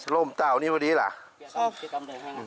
โล่มเต้านี่วันนี้หรือ